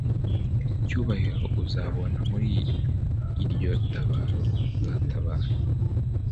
cyubahiro uzabona muri iryo tabaro uzatabara